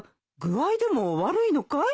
具合でも悪いのかい？